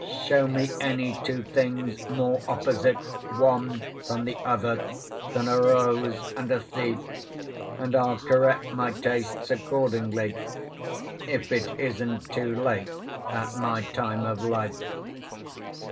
Show me any two things more opposite one from the other than a rose and a thief; and I'll correct my tastes accordingly—if it isn't too late at my time of life.